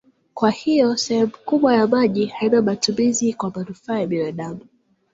Kwa hiyo sehemu kubwa ya maji haina matumizi kwa manufaa ya binadamu.